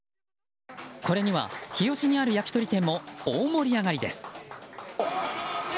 これには日吉にある焼き鳥店も大盛り上がりです。